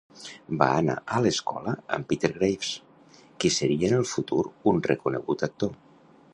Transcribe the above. Va anar a escola amb Peter Graves, qui seria en el futur un reconegut actor.